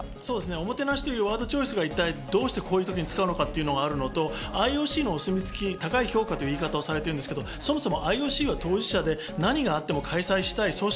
おもてなしというワードチョイスをどうしてこういう時に使うのかというのと、ＩＯＣのお墨付き、高い評価と言われていますが、そもそもＩＯＣは当事者で、何があっても開催したい組織、